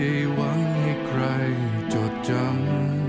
ไม่ได้หวังให้ใครจดจำ